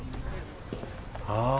ああ